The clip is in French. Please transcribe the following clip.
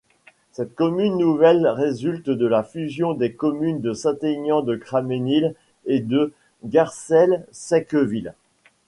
Cette commune nouvelle résulte de la fusion des communes de Saint-Aignan-de-Cramesnil et de Garcelles-Secqueville.